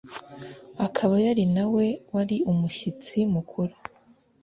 akaba yari na we wari umushyitsi mukuru